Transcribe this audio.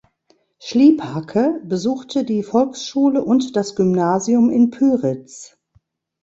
Schliephacke besuchte die Volksschule und das Gymnasium in Pyritz.